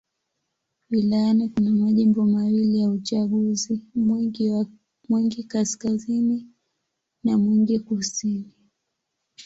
Wilayani kuna majimbo mawili ya uchaguzi: Mwingi Kaskazini na Mwingi Kusini.